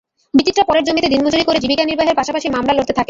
বিচিত্রা পরের জমিতে দিনমজুরি করে জীবিকা নির্বাহের পাশাপাশি মামলা লড়তে থাকেন।